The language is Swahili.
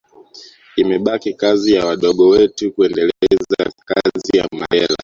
imebaki kazi ya wadogo wetu kuendeleza kazi ya Mandela